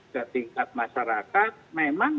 ke tingkat masyarakat memang